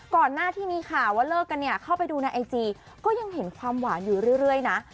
หน้าที่มีข่าวว่าเลิกกันเนี่ยเข้าไปดูในไอจีก็ยังเห็นความหวานอยู่เรื่อยนะ